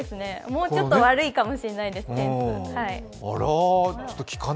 もうちょっと悪いかもしれないです、点数。